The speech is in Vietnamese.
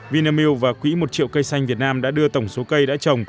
vinamilk và quỹ một triệu cây xanh việt nam đã đưa tổng số cây đã trồng